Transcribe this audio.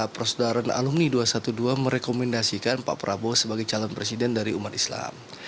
persaudaraan alumni dua ratus dua belas merekomendasikan pak prabowo sebagai calon presiden dari umat islam